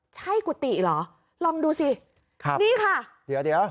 ใช่กุฏิเหรอลองดูสิครับนี่ค่ะเดี๋ยวเดี๋ยว